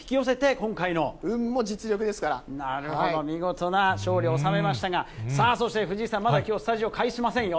見事な勝利を収めましたが、さあ、そして藤井さん、まだきょう、スタジオ返しませんよ。